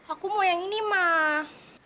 aku mau yang ini mah